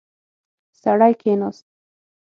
سړی کېناست.